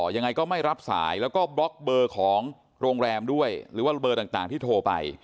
ยังไงก็ไม่รับสายแล้วก็บล็อกเบอร์ของโรงแรมด้วยหรือว่าเบอร์ต่างที่โทรไป